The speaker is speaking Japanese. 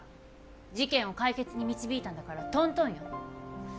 事件を解決に導いたんだからとんとんよ。